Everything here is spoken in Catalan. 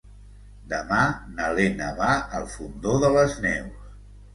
Demà na Lena va al Fondó de les Neus.